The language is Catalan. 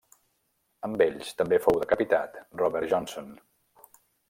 Amb ells també fou decapitat Robert Johnson.